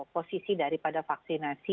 posisi daripada vaksinasi